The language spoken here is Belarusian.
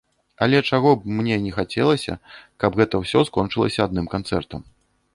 Але чаго б мне не хацелася, каб гэта ўсё скончылася адным канцэртам.